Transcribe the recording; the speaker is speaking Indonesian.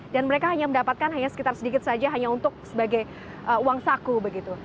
dan mereka hanya mendapatkan hanya sekitar sedikit saja hanya untuk sebagai uang saku begitu